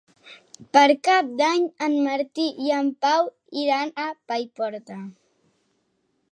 Per Cap d'Any en Martí i en Pau iran a Paiporta.